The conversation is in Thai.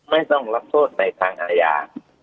ไม่ต้องรับโทษในทางอาญา